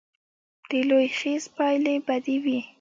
د لوی خیز پایلې بدې وې.